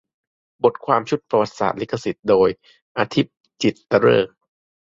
บทความชุด "ประวัติศาสตร์ลิขสิทธิ์" โดย อธิป จิตตฤกษ์